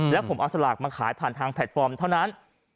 แล้วผมเอาสลากมาขายผ่านทางแพลตฟอร์มเท่านั้น